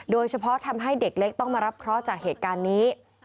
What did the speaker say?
โดยเฉพาะทำให้เด็กเล็กต้องมารับเคราะห์จากเหตุการณ์นี้